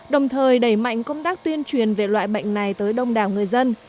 đồng thời đẩy mạnh công tác tuyên truyền về loại bệnh này tới đông đảo người dân